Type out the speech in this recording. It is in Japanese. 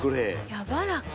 やわらか。